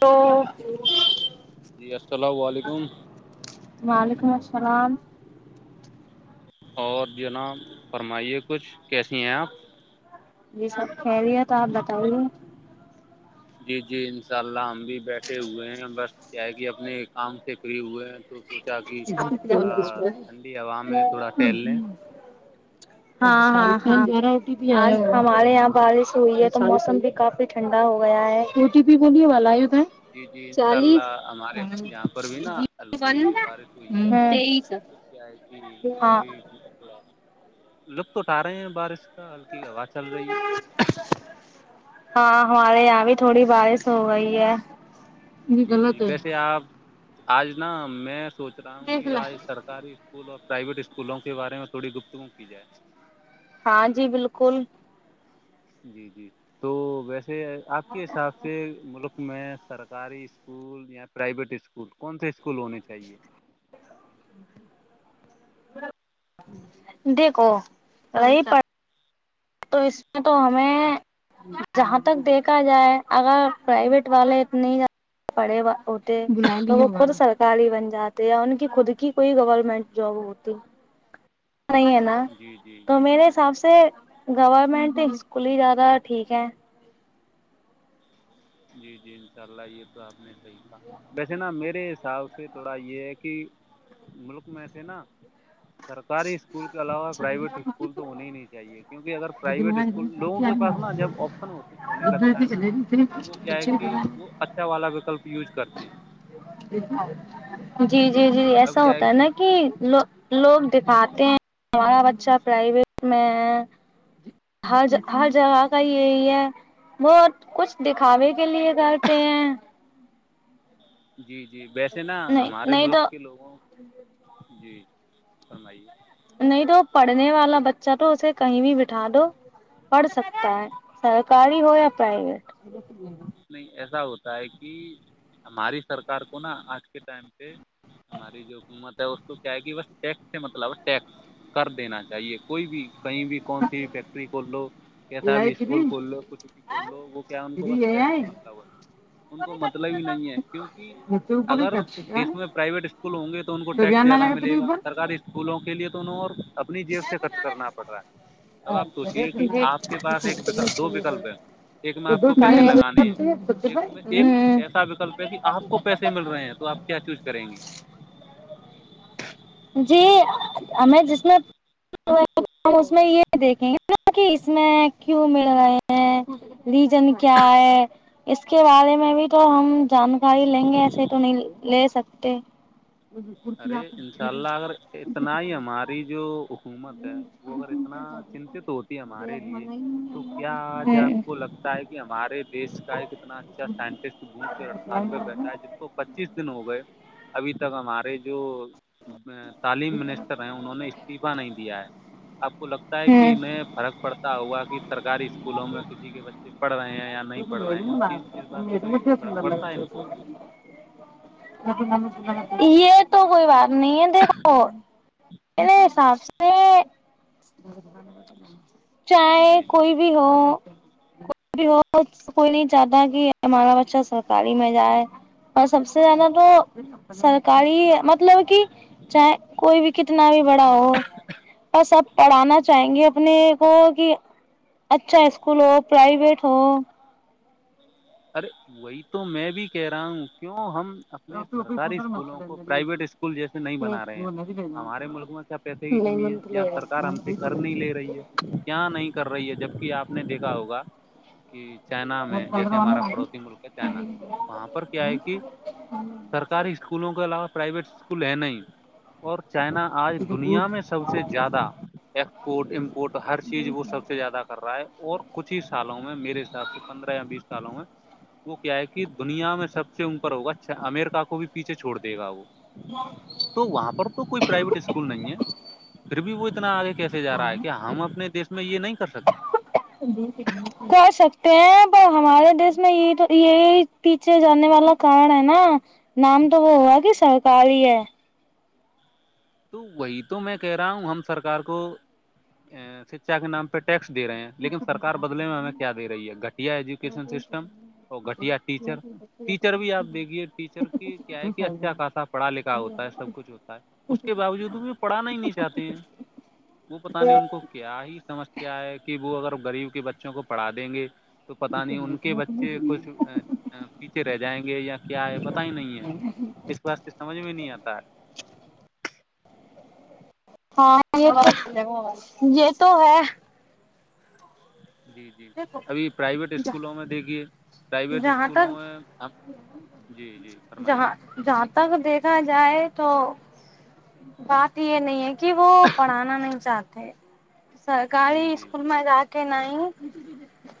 تو جی السلام علیکم وعلیکم السلام اور جناب فرمائیے کچھ کیسی ہیں آپ جی سب خیریت آپ بتائیے جی جی ان شاء اللہ ہم بھی بیٹھے ہوئے ہیں بس کیا ہے کہ اپنے کام سے فری ہوئے ہیں تو سوچا کی تھوڑا ٹھنڈی ہوا میں تھوڑا ٹہل لیں ہاں ہاں ہمارے یہاں بارش ہوئی ہے تو موسم بھی کافی ٹھنڈا ہو گیا ہے او ٹی پی بولیے والایو ہے جی جی انشاء اللہ چالیس ہمارے یہاں پر بھی نا ہلکی بارش سی ہوئ ہے تیئیس پھر کیا ہے کی ہم ہاں بھی تھوڑا لطف اٹھا رہے ہیں بارش کا ہلکی ہوا چل رہی ہے ہاں ہمارے یہاں بھی تھوڑی بارش ہو گئی ہے یہ جی جی غلط ہے ویسے آپ آج نا میں سوچ رہا ہوں دیکھ کہ ل آج سر کاری اسکول اور پرائیویٹ اسکولوں کے بارے میں تھوڑی گفتگو کی جائے ہاں جی بالکل جی جی تو ویسے آپ کے حساب سے ملک میں سرک کاری اسکول یا پرائیویٹ اسکول کون سے اسکول ہونے چاہیے دیکھو رہی پڑ تو اس میں تو ہم جہاں تک دیکھا جائے اگر پرائیویٹ والے اتنے پڑے وا ہوتے تو وہ خود سرکاری بن جاتے ان کی خود کی کوئی گورنمنٹ جاب ہوتی نہیں ہے نا جی جی تو میرے حساب سے گورمنٹ اسکول ہی زیادہ ٹھیک ہے جی جی انشاء اللہ یہ تو آپ نے صحیح ویسے نا میرے حساب سے تھوڑا یہ ہے کی ملک میں سے نا سرکاری اسکول کے علاوہ پرائیویٹ اسکول تو ہونے ہی نہیں چاہیے کیونکہ اگر پرائیویٹ اس لوگوں کے پاس نا جب آپشن ہوتے ہونے لگتا ہے نا تو وہ کیا ہے کہ وہ اچھا والا وکلپ یوز کرتے ہیں جی جی جی ایسا ہوتا ہے نا کہ لو لوگ دکھاتے ہیں ہمارا بچہ پرائیویٹ میں ہے ہر جا ہر جگہ کا یہی ہے بت کچھ دکھاوے کے لیے کرتے ہیں جی جی ویسے نا نہیں ہمارے نہیں ملک تو کے لوگوں جی فرمائیے نہیں تو پڑھنے والا بچہ تو اسے کہیں بھی بٹھا دو پڑھ سکتا ہے سرکاری ہو یا پرائیویٹ نہیں ایسا ہوتا ہے کی ہماری سرکار کو نا آج کے ٹائم پہ ہماری جو حکومت ہے اس کو کیا ہے کہ بس ٹیکس سے مطلب ہے ٹیکس کر دینا چاہیے کوئی بھی کہیں بھی کون سی بھی فیکٹری کھول لو یہ کیسا آئی بھی فری اسکول کھول لو کچھ بھی کھول لو وہ کیا ان کو فری بس سے یہ آئی مطلب ہے ان کو مطلب ہی نہیں ہے کیونکہ تو اوپر ہی اگر کرتے کا دیش میں پرائیویٹ اسکول ہوں گے تو ان کو ٹیکس بیان نہیں زیادہ لگا تری ملے گا اوپر سرکاری اس کولوں کے لیے تو انو اور اپنی جیب سے خرچ کرنا پڑ رہا ہے اب آپ سوچیے کہ آپ کے پاس ایک دو وکلپ ہیں ایک میں آپ ہوں کو پیسے لگانے ہیں ایک میں ایک ایسا وکلپ ہے کہ آپ کو پیسے مل رہے ہیں تو آپ کیا چوز کریں گی جی ہمیں جس میں اس میں یہ دیکھیں گے کہ اس میں کیوں مل رہے ہیں ریجن کیا ہے اس کے بارے میں بھی تو ہم جانکاری لیں گے ایسے تو نہیں لے سکتے خود ہے آپ ان شاء اللہ اگر اتنا ہی ہماری جو حکومت ہے وہ اگر اتنا چنتت ہوتی ہے ہمارے لیے تو کیا آج آپ کو لگتا ہے کہ ہمارے دیش کا ایک کتنا اچھا سائنٹسٹ بھوک سال پہ بیٹھا ہے جس تو پچیس دن ہو گئے ابھی تک ہمارے جو تعلیم منسٹر ہیں انہوں نے استعفہ نہیں دیا ہے آپ کو لگتا ہے کہہ میں فرق پڑتا ہوا کہ سرکاری اسکولوں میں کسی کے بچے پڑھ رہے ہیں یا نہیں پڑھ رہے ہیں چیز اس بات سے کبھی ہوں پڑتا ہے ان کو یہ تو کوئی بات نہیں ہے دیکھو حساب سے چاہے جی جی کوئی بھی ہو بھی ہو کوئی نہیں چاہتا کہ ہمارا بچہ سرکاری میں جائے اور سب سے زیادہ تو سرکاری مطلب کہ چاہے کوئی بھی کتنا بھی بڑا ہو بس آب پڑھانا چاہیں گے اپنے کو کہ اچھا اسکول ہو پرائیویٹ ہو ارے وہی تو میں بھی کہہ رہا ہوں کیوں ہم اپنے سرکاری اسکولوں کو پرائیویٹ اسکول جیسے نہیں بنا رہے ہیں ہمارے ملک میں اچھ پیسے کی کمی ہے یا سرکار ہم سے کر نہیں لے رہی ہے کیا نہیں کر رہی ہے جبکہ آپ نے دیکھا ہوگا کہ چائنا میں جیسے ہمارا پڑوسی ملک کا چائنا وہاں پر کیا ہے کہ سرکاری اسکولوں کے علاوہ پرائیویٹ اسکول ہیں نہیں اور چائنا آج دنیا میں سب سے زیادہ ایکسپورٹ ہر چیز وہ سب سے زیادہ کر رہا ہے اور کچھ ہی سالوں میں میرے حساب سے پندرہ یا بیس سالو میں وہ کیا ہے کہ دنیا میں سب سے اپر ہوگا امرکا کو بھی پیچھے چھوڑ دے گا وہ تو وہاں پر تو کوئی پرائیویٹ اسکول نہیں ہے پھر بھی وہ اتنا آگے کیسے جا رہا ہے کہ ہم اپنے دیش میں یہ نہیں کر سکتے سند س [unintelligible] کر سکتے ہیں پر ہمارے دیش میں یہ تو یہی پیچھے جانے والا کارن ہے نا نام تو وہ ہوا کہ سرکار ہی ہے تو وہی تو میں کہہ رہا ہوں ہم سرکار کو شکشا کے نام پہ ٹیکس دے رہے ہیں لیکن سرار بدلے میں ہمیں کیا دے رہی ہے گھٹیا ایجوکیشن سسٹم اور گھٹیا ٹیچر ٹیچر بھی آپ دیکھیے ٹیچر کی کیا ہے کہ ہاں اچھا خاصا پڑھا لکھا ہوتا ہے سب کچھ ہوتا ہے اس کے باوجود بھی پڑھانا ہی نہیں چاہتے ہیں وہ پتہ نہیں ان کو کیا ہی سمسیا ہے کہ وہ اگر غریب کے بچوں کو پڑھا دیں گے تو پتا نہیں ان کے بچے کچھ پیچھے رہ جائیں گے یا کیا ہے پتا ہی نہیں ہے اس بات سے سمجھ میں نہیں آتا ہاں یہ یہ تو ہے جی جی ابھی پرائیویٹ اسکولوں میں دیکھیے پرائیویٹ جہاں اسکولوں تک میں جی جی فرمائیے جہاں جہاں تک دیکھا جائے تو بات یہ نہیں ہے کہ کی وہ پڑھانا نہیں چاہتے جی سرکاری جی اسکول میں جا کہ نہیں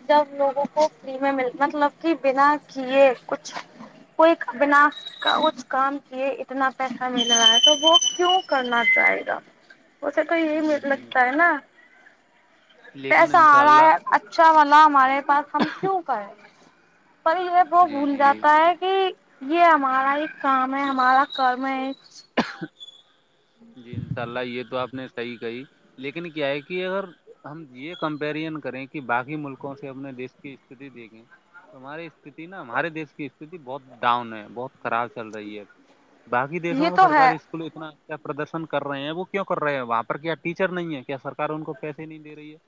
جب لوگوں کو فری میں مل مطلب کی بنا کیے کچھ کوئی بنا کا اس کام کی اتنا پیسہ مل رہا ہے تو وہ کیوں کرنا چاہے گا اسے تو یہ جی جی لگتا ہے نا لیکن پسا انشاء آ رہا اللہ ہے اچھا والا ہمارے پاس ہم کیوں کرے پر یہ وہ جی بھول جی جاتا ہے کہ یہ ہمارا ایک کام ہے ہمارا کرم ہے جی ان شاء اللہ یہ تو آپ نے صحیح کہی لیکن کیا ہے کہ اگر ہم یہ کمپیرزن کریں کہ باقی ملکوں سے اپنے دیش کی استھتی دیکھیں تو ہماری استھتی نا ہمارے دیش کی استتی بہت ڈاؤن ہے بہت خراب چل رہی ہے باقی یہ دیشوں میں تو ہے اسک اتنا اچھا پردرشن کر رہے ہیں وہ کیوں کر رہے ہیں وہاں پر کیا ٹیچر نہیں ہے کیا سرار ان کو پیسے نہیں دے رہی ہے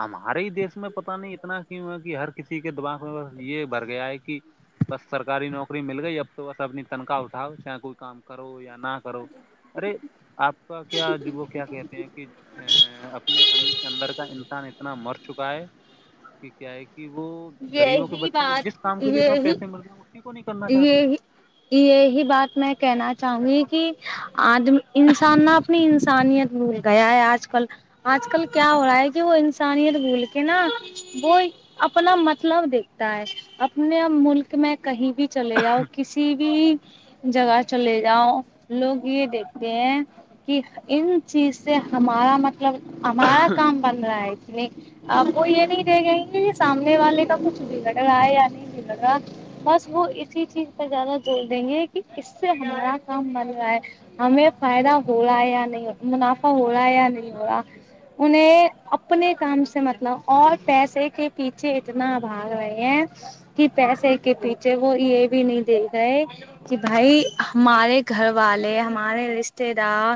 ہمارے ہی دیش میں پتا نہیں اتنا کیوں ہے کہ ہر کسی کے دماغ میں بس یہ بر گیا ہے کہ بس سرکاری نوکری مل گئی اب تو بس اپنی تنخواہ اٹھاؤ چاہے کوئی کام کرو یا نہ کرو ارے آپ کا کیا جی وہ کیا کہتے ہیں کہ ا اپنے اندر کا انسان اتنا مر چکا ہے کہ کیا ہے کہ وہ غریبوں کے یہی بچوں کو جس کام بات کے لیے تیں یہی پیسے ملتے ہیں اسی کو نہیں کرنا چاہتے یہی یہی بات میں کہنا چاہوں گی کہ آدمی انسان نہ اپنی انسانیت بھول گیا ہے آج کل آج کل کیا ہو رہا ہے کہ وہ انسانیت بھول کے نا وہ اپنا مطلب دیکھتا ہے اپنے ملک میں کہیں بھی چلے جاؤ کسی بھی جگہ چلے جاؤ لوگ یہ دیکھتے ہیں کہ ان چیز سے ہمارا مطلب مطلب ہمارا کام بن رہا ہے اس لیے اب وہ یہ نہیں دے گیں گے سامنے والے کا کچھ بھی لگ رہا ہے یا نہیں لگا بس وہ اسی چیز پہ زیادہ زور دیں گے کہ اس سے ہمارا کام بن رہا ہے ہمیں فائدہ ہو رہا ہے یا نہیں منافع ہو رہا ہے یا نہیں ہو رہا انہیں اپنے کام سے مطلب اور پیسے کے پیچھے اتنا بھاگ رہے ہے کہ پیسے کے پیچھے وہ یہ بھی نہیں دے گئے کہ بھائی ہمارے گھر والے ہمارے رشتے دار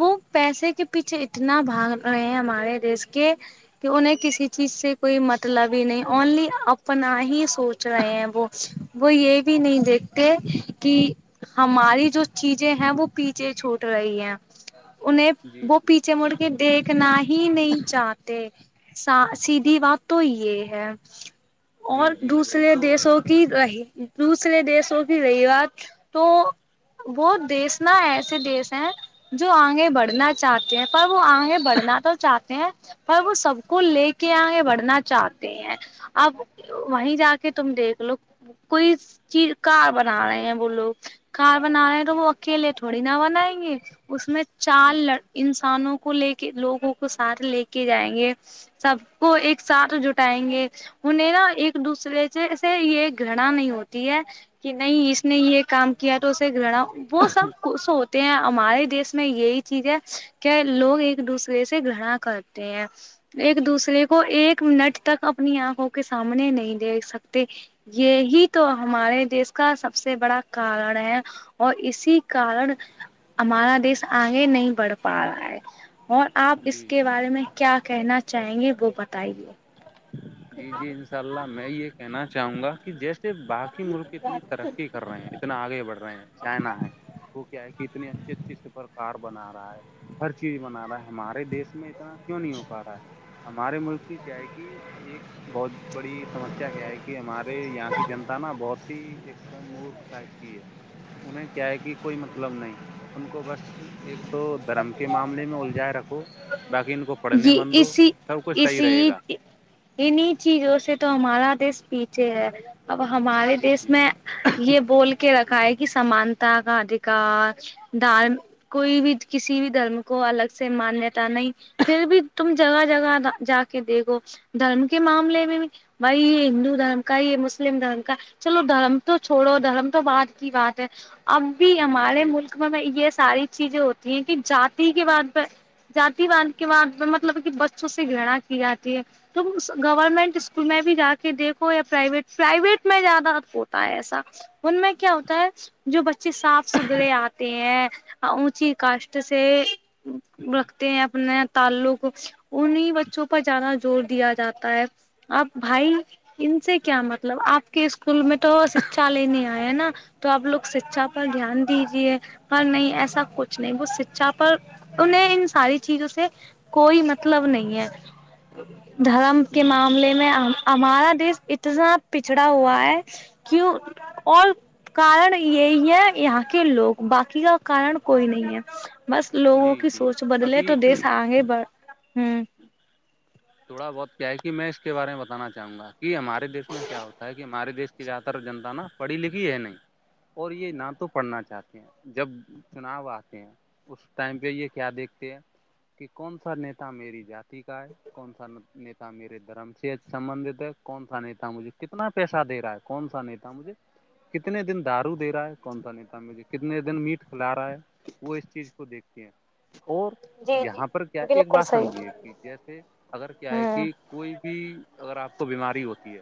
وہ پیسے کے پیچھے اتنا بھاگ رہے ہیں ہمارے دیش کے کہ انہیں کسی چیز سے کوئی مطلب ہی نہیں اونلی اپنا ہی سوچ رہے ہیں وہ وہ یہ بھی نہیں دیکھ کہ ہماری جو چیزیں ہیں وہ پیچھے چھوٹ رہی ہیں انہیں جی وہ پیچھے مڑ کے دیکھنا ہی نہیں چاہتے سا سیدھی بات تو یہ ہے جی اور جی وہی دوسرے تو دیشوں کی رہی دوسرے دیشوں کی رہی بات تو وہ دیس نا ایسے دیس ہیں جو آگے بڑھنا چاہتے ہیں پر وہ آگے بڑھنا تو چاہتے ہیں پر وہ سب کو لے کے آگے بڑھ نا چاہتے ہیں اب وہیں جا کے تم دیکھ لو کوئی چیز کار بنا رہے ہیں لو کار بنا رہے ہیں تو وہ اکیلے تھوڑی نہ بنائیں گے اس میں چار جی لڈ انسانوں کو لے کے لوگوں کو ساتھ لے کے جائیں گے سب کو ایک ساتھ جٹائیں گے انہیں نا ایک دوسرے سے سے یہ گھنا نہیں ہوتی ہے کہ نہیں اس نے یہ کام کیا تو اسے گڑا وہ سب کوس ہوتے ہیں ہمارے دیس میں یہی چیز ہے کیا لوگ ایک دوسرے سے گنا کرتے ہیں ایک دوسرے کو ایک ایک منٹ تک اپنی آنکھ ہو کے سامنے نہیں دے سکتے یہی تو ہمارے دیش کا سب سے بڑا کارن ہے اور اسی کن ہمارا دیش آگے نہیں بڑھ پا رہا ہے اور آپ اس جی کے بارے میں کیا کہنا چاہیں گے وہ بتائیے جی جی انشاء اللہ میں یہ کہنا چاہوں گا کہ جیسے باقی ملک اتنی ترقی کر رہے ہیں اتنا آگے بڑھ رہے ہیں چائنا ہے وہ کیا ہے کہ اتنی اچھی اچھی سے پرر کار بنا رہا ہے ہر چیز بنا رہا ہے ہمارے دیش میں اتنا کیوں نہیں ہو پا رہا ہے ہمارے ملک کی کیا ہے کہ ایک بہت بڑی سمسیا کیا ہے کہ ہمارے یہاں کی جنتا نا بہت ایک مورخ ٹائپ کی ہے انہیں کیا ہے کہ کوئی مطلب نہیں ان کو بس ایک تو دھرم کے معاملے میں الجائے رکھو باقی ان کو پڑھنے یہ من دو اسی سب کچھ صحیح رہے اسی گا انیں چیزوں سے تو ہمارا دیس پیچھے ہے اب ہمارے جی دیس جی میں یہ بول کے رکھا ہے کہ سمانتا کا ادھیکار دارم کوئی بھی کسی بھی دھرم کو الگ سے مانیہتا نہیں پھر بھی تم جگہ جگہ جا کے دیکھو دھرم کے معاملے میں بھی بھائی یہ ہندو دھرم کا یہ مسلم دھرم کا چلو دھرم تو چھوڑو دھرم تو بعد کی بات ہے اب بھی جی ہمارے جی ملک میں یہ ساری چیزیں ہوتی ہیں کہ جاتی کے بعد میں جاتی کے بعد مطلب کہ بچوں سے گڑا کی جاتی ہے تم گورنمنٹ اسکول میں بھی جا کے دیکھو یا پرائیویٹ پرائیویٹ میں زیادہ ہوتا ہے ایسا ان میں کیا ہوتا ہے جو بچے صاف ستھرے آتے ہیں اونچی کاشٹ سے رکھتے ہیں اپنے تعلق انہی بچوں پر زیادہ زور دیا جاتا ہے اب بھائی ان سے کیا مطلب آپ کے اسکول میں تو شکشا لینی آ ہے نا تو آپ لوگ شکشا پر دھیان دیجیے پر نہیں ایسا کچھ نہیں وہ شیکشا پر انہیں ان ساری چیزوں سے کوئی مطلب نہیں ہے دھرم کے جی جی معاملے میں ہمارا دیش اتنا پچھڑا ہوا ہے کیوں اور کارن یہی ہے یہاں کے لوگ باقی کا کارن کوئی نہیں ہے بس لوگوں جی کی جی سوچ بدلے تو ابھی دیس آگے بڑ ہ تھوڑا بہت کیا ہے کہ میں اس کے بارے میں بتانا چاہوں گا کہ ہمارے دیش میں کیا ہوتا ہے کہ ہمارے دیش زیادہ تر جنتا نا پڑھی لکھی ہے نہیں اور یہ نہ تو پڑھنا چاہتے ہیں جب چناؤ آتے ہیں اس ٹائم پہ یہ کیا دیکھتے ہیں کہ کون سا نیتا میری جاتی کا ہے کون سا نہ نیتا میرے دھرم سے سمبندت ہے کون سا نتا مجھے کتنا پیسہ دے رہا ہے کون سا نیتا مجھے کتنے دن دارو دے رہا ہے کون سا نیتا مجھے کتنے دن میٹ کھلا رہا ہے وہ اس چیز کو دیکھتی ہیں اور جی جی یہاں پر کیا ایک بالکل بات صحیح سمجھیے کہ جیسے اگر کیا ہے ہوں کہ کوئی بھی اگر آپ کو بیماری ہوتی ہے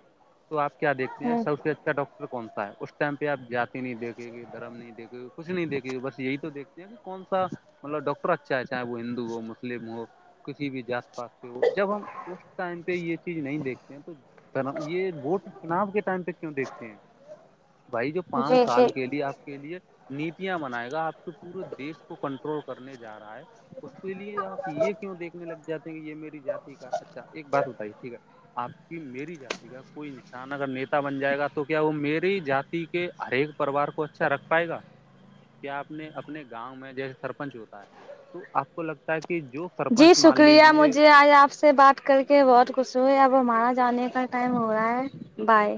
تو آپ کیا دیکھتے ہیں ہوں سب سے ڈاکٹر کون سا ہے اس ٹائم پہ آپ جاتی نہیں دیکے گی دھرم نہیں دیکے گے کچھ نہیں دیکھے گی بس یہی تو دیکھتے کہ کون سا مطلب ڈاکٹر اچھا ہے چاہے وہ ہندو ہو مسلم ہو کسی بھی جات پ جب ہم اس ٹائم پے یے چیز نہیں دیکھتے ہیں تو یہ ووٹ چناؤ کے ٹائم تک کیوں دیکھتے ہیں بھائی جو جی پانچ جی سال کے لیے آپ کے لیے نیتیاں بنائے گا آپ کے پورے دیشس کو کنٹرول کرنے جا رہا ہے اس کے لیے آپ یہ کیوں دیکھنے لگ جاتے ہیں کہ یہ میری جات کا اچھا ایک بات بتائیے ٹھیک ہے آپ کی میری جات کوئی انسان اگر نیتا بن جائے گا تو کیا وہ میے جاتی کے ہر ایک پریوار کو اچھا رکھ پائے گا کیا آپ نے اپنے گاؤں میں جیسے سرپنچ ہوتا ہے تو آپ کو لگتا ہے کہ جو جی سرپنچ مان شکریہ لیجیے مجھے آج آپ سے بات کر کے بہت خش ہوئے اب ہمارا جانے کا ٹائم ہو رہا ہے بائے